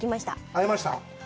会えました。